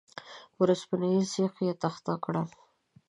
پر اوسپنيز سيخ يې تخته کړل.